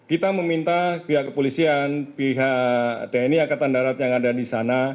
kita meminta pihak kepolisian pihak tni angkatan darat yang ada di sana